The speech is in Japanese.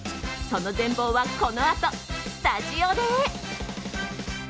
その全貌はこのあとスタジオで！